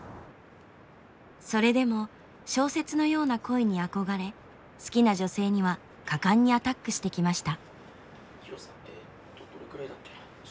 それでも小説のような「恋」に憧れ好きな女性には果敢にアタックしてきました。